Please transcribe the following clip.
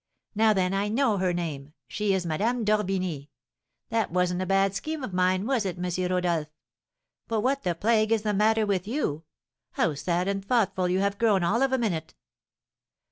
Now, then, I know her name, she is Madame d'Orbigny. That wasn't a bad scheme of mine, was it, M. Rodolph? But what the plague is the matter with you? How sad and thoughtful you have grown all of a minute!"